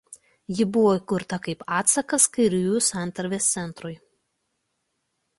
Ji buvo įkurta kaip atsakas kairiųjų Santarvės centrui.